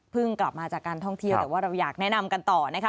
กลับมาจากการท่องเที่ยวแต่ว่าเราอยากแนะนำกันต่อนะคะ